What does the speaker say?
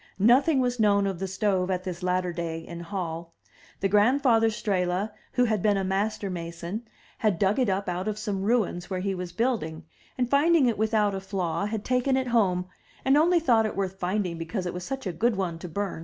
Nothing was known of the stove at this latter day in Hall. The grandfather Strehla, who had been a master mason, had dug it up out of some ruins where he was building, and, finding it without a flaw, had taken it home, and only thought it worth finding because it was such a good one to bum.